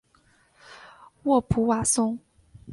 沃普瓦松。